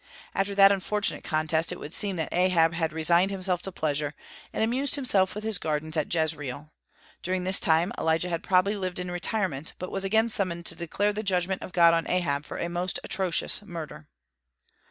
After that unfortunate contest it would seem that Ahab had resigned himself to pleasure, and amused himself with his gardens at Jezreel. During this time Elijah had probably lived in retirement; but was again summoned to declare the judgment of God on Ahab for a most atrocious murder.